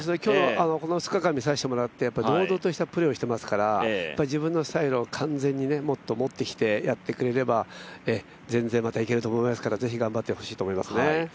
この２日間見させてもらって堂々としたプレーをしていますから自分のスタイルを完全にもっと持ってきてやってくれれば、全然またいけると思いますから、ぜひ頑張ってほしいと思いますね。